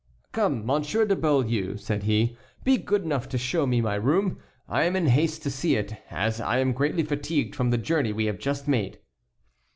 "Come, Monsieur de Beaulieu," said he, "be good enough to show me my room. I am in haste to see it, as I am greatly fatigued from the journey we have just made."